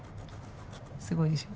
すごいでしょ。